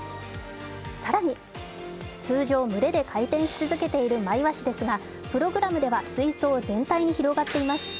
更に、通常群れで回転し続けているマイワシですが、プログラムでは水槽全体に広がっています。